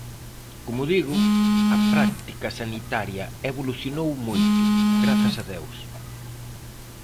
Como digo, a práctica sanitaria evolucionou moito, grazas a Deus.